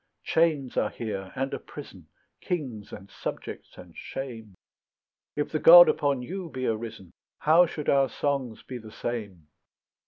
Chains are here, and a prison, Kings, and subjects, and shame; If the God upon you be arisen, How should our songs be the same?